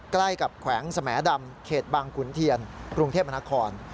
ใกล้กับแขวงสแหมดำเขตบางขุนเทียนกรุงเทพมนาคม